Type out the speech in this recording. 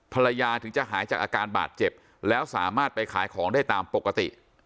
ภรรยาถึงจะหายจากอาการบาดเจ็บแล้วสามารถไปขายของได้ตามปกติ